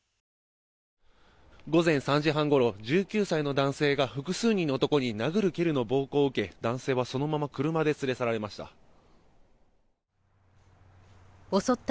午前３時半ごろ１９歳の男性が複数人の男に殴る蹴るの暴行を受け男性はそのまま車で連れ去られました。